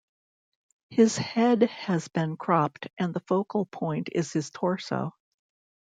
His head has been cropped and the focal point is his torso.